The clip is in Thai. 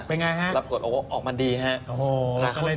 เป็นไงฮะรับผลออกมาดีฮะโอ้โห